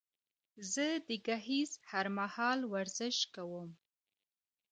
زه د ګهيځ هر مهال ورزش کوم